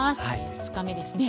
２日目ですね。